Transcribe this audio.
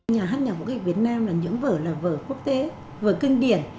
nhà hát nhạc vũ kịch việt nam là những vở là vở quốc tế vở kinh điển